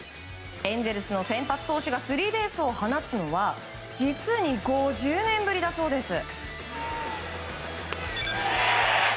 エンゼルスの先発投手がスリーベースを放つのは実に５０年ぶりだそうです。